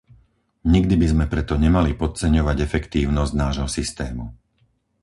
Nikdy by sme preto nemali podceňovať efektívnosť nášho systému.